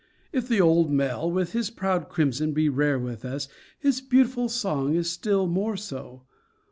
If the old male, with his proud crimson, be rare with us, his beautiful song is still more so.